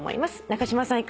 中島さん